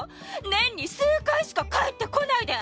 年に数回しか帰って来ないで！